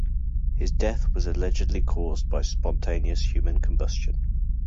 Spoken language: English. His death was allegedly caused by spontaneous human combustion.